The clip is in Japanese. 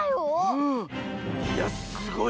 いやすごい。